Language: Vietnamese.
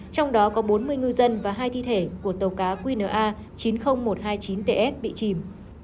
trong đó có bốn mươi ngư dân và hai thi thể của tàu cá qna chín mươi nghìn một trăm hai mươi chín ts bị chìm